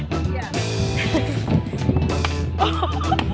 มึงคิด